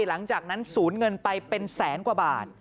หลังจากนั้นสูญเงินไปเป็นแสนกว่าบาท